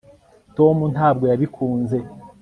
tom ntabwo yabikunze